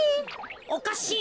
おかしいな。